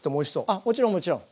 あっもちろんもちろん。